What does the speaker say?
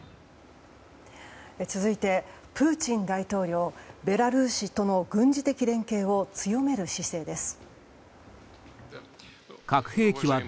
続いて、プーチン大統領ベラルーシとの軍事的連携を強める姿勢です。